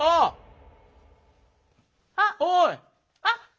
あっ！